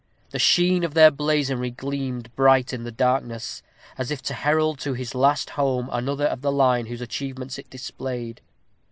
The sheen of their blazonry gleamed bright in the darkness, as if to herald to his last home another of the line whose achievements it displayed.